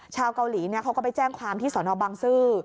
ชาวเกาหลีเขาก็ไปแจ้งความที่สนบังซื้อ